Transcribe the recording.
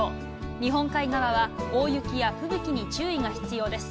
日本海側は大雪や吹雪に注意が必要です。